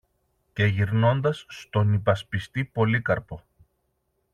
Και γυρνώντας στον υπασπιστή Πολύκαρπο